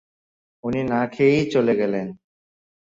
উনি না খেয়েই চলে গেলেন।